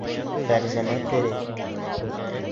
Фәрзәнә тере!